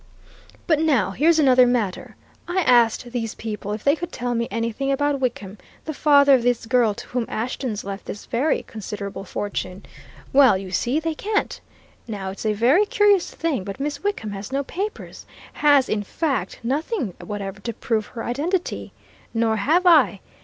But now, here's another matter. I asked these people if they could tell me anything about Wickham, the father of this girl to whom Ashton's left his very considerable fortune. Well, you see, they can't. Now, it's a very curious thing, but Miss Wickham has no papers, has, in fact, nothing whatever to prove her identity. Nor have I.